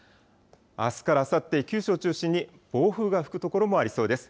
あすからあさって、九州を中心に暴風が吹く所もありそうです。